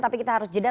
tapi kita harus jeda